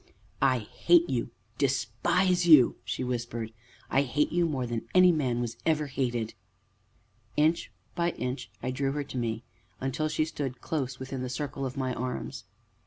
"I hate you despise you!" she whispered. "I hate you more than any man was ever hated!" Inch by inch I drew her to me, until she stood close, within the circle of my arms.